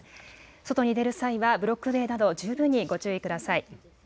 外に出る際はブロック塀など、十分にご注意ください。